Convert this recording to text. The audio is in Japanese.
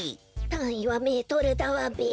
たんいはメートルだわべ。